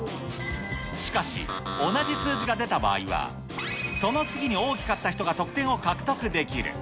しかし、同じ数字が出た場合は、その次に大きかった人が得点を獲得できる。